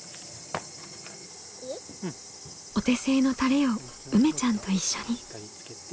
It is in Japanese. お手製のタレをうめちゃんと一緒に。